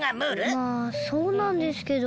まあそうなんですけど。